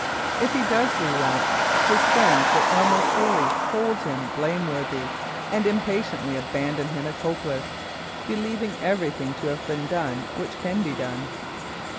If he does relapse, his friends will almost surely hold him blameworthy and impatiently abandon him as hopeless, believing everything to have been done which can be done.